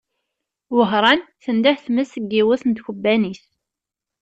Wehran, tendeh tmes deg yiwet n tkebbanit.